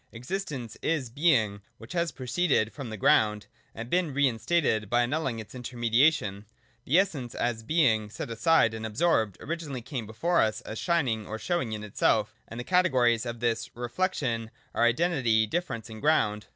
Existence is Being which has proceeded from the ground, and been reinstated by annulling its intermediation. The Essence, as Being set aside and absorbed, originally came before us as shining or showing in self, and the categories of this re flection are identity, difference and ground.